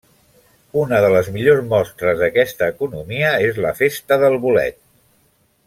Una de les millors mostres d’aquesta economia és la Festa del Bolet.